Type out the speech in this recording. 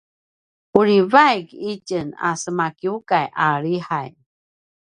uri vaik itjen a semakiukay a lihay